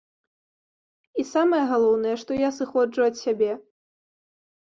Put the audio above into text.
І самае галоўнае, што я сыходжу ад сябе.